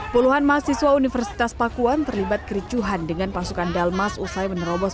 puluhan mahasiswa universitas pakuan terlibat kericuhan dengan pasukan dalmas usai menerobos